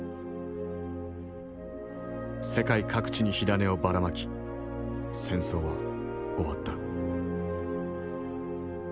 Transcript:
世界各地に火種をばらまき戦争は終わった。